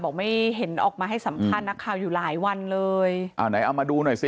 ไม่เห็นออกมาให้สัมภาษณ์นักข่าวอยู่หลายวันเลยอ่าไหนเอามาดูหน่อยสิ